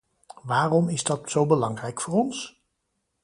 Waarom is dat zo belangrijk voor ons?